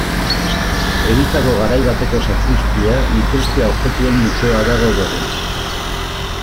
Elizako garai bateko sakristia, liturgia-objektuen museoa da gaur egun.